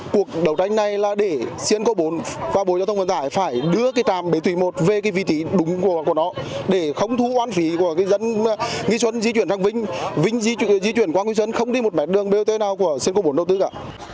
cuộc đấu tranh này là để siên cầu bốn và bộ giao thông vận tải phải đưa cái tràm bến thủy một về cái vị trí đúng của nó để không thu oan phí của cái dân nghị xuân di chuyển sang vinh vinh di chuyển qua nghị xuân không đi một mẹ đường bot nào của siên cầu bốn đầu tư cả